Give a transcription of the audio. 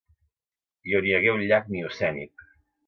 I on hi hagué un llac miocènic.